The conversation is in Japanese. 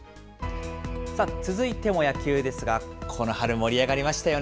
続いても野球ですが、この春、盛り上がりましたよね。